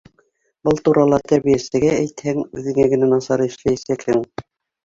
Был турала тәрбиәсегә әйтһәң, үҙеңә генә насар эшләйәсәкһең.